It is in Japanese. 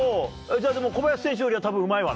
じゃあでも小林選手よりは多分うまいわな。